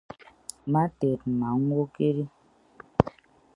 Mma teedma ñwokedi.